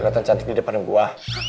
lihat lihat cantik di depan gue